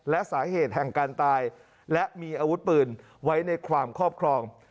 และสาเหตุแห่งการตายและมีอาวุธปืนไว้ในความครอบครอง